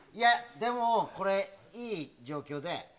でも、これ、いい状況で。